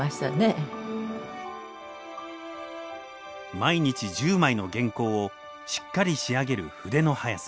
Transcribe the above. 毎日１０枚の原稿をしっかり仕上げる筆の速さ。